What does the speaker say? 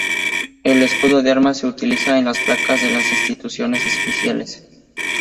El escudo de armas se utiliza en las placas en la Instituciones oficiales.